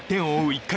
１回。